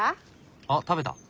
あっ食べた。